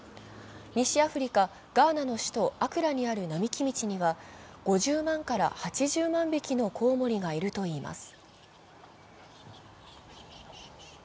西アフリカ・ガーナの首都アクラにある並木道には５０万から８０万匹のコウモリがいるといいます。